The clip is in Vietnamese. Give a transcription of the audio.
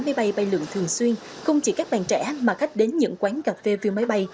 máy bay bay lượng thường xuyên không chỉ các bạn trẻ mà khách đến những quán cà phê view máy bay